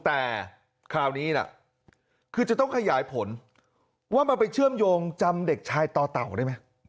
แต่คราวนี้ล่ะคือจะต้องขยายผลว่ามันไปเชื่อมโยงจำเด็กชายต่อเต่าได้ไหม